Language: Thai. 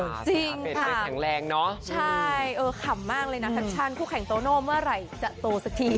อาเบ็ดเชิญแข็งแรงเนาะใช่เออขำมากเลยนะทักชันคู่แข่งโตโนเมื่อไหร่จะโตสักที